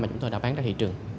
mà chúng tôi đã bán ra thị trường